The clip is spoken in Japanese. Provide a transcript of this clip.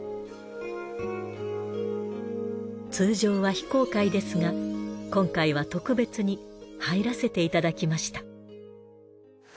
通常は非公開ですが今回は特別に入らせていただきました。